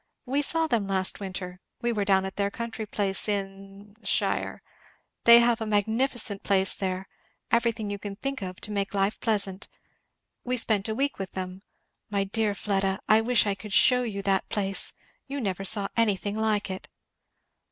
"We saw them last winter we were down at their country place in shire. They have a magnificent place there everything you can think of to make life pleasant. We spent a week with them. My dear Fleda! I wish I could shew you that place! you never saw anything like it."